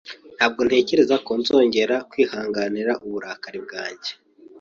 Ntabwo ntekereza ko nzongera kwihanganira uburakari bwanjye.